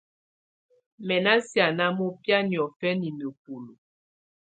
Mɛ́ ná siáná mɔbɛ̀á niɔ̀fɛnɛ nǝ́bulu.